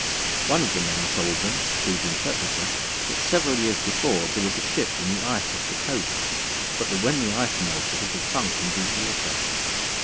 One of the men told them, through the interpreter, that several years before there was a ship in the ice off the coast, but that when the ice melted it had sunk in deep water.